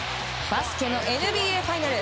バスケのＮＢＡファイナル。